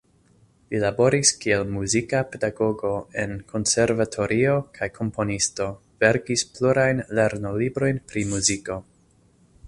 Li laboris kiel muzika pedagogo en konservatorio kaj komponisto, verkis plurajn lernolibrojn pri muziko.